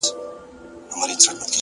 اخلاص د نیک عمل ارزښت لوړوي.!